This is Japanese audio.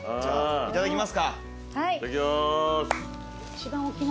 いただきます。